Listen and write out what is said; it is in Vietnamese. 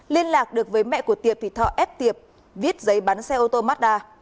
liên lạc được với mẹ của tiệp thì thọ ép tiệp viết giấy bán xe ô tô mazda